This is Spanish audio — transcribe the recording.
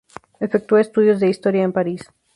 Efectuó estudios de historia en París.